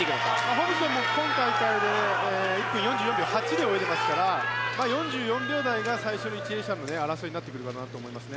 ホブソンも今大会１分４８秒１で泳いでいますから４４秒台が最初の１泳者の争いになってくると思います。